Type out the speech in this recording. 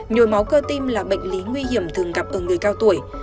nhồi máu cơ tim là bệnh lý nguy hiểm thường gặp ở người cao tuổi